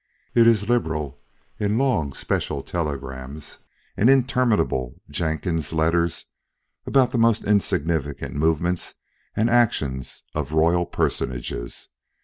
It is liberal in long special telegrams and interminable Jenkins letters about the most insignificant movements and actions of royal personages.